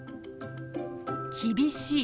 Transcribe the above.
「厳しい」。